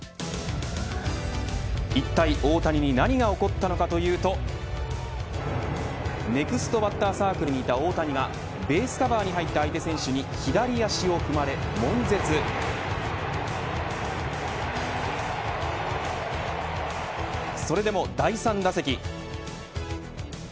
いったい大谷に何が起こったのかというとネクストバッターサークルにいた大谷がベースカバーに入った相手選手に左足を踏まれ、もん絶。それでも第３打席。